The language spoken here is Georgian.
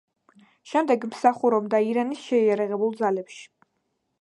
შემდეგ მსახურობდა ირანის შეიარაღებულ ძალებში.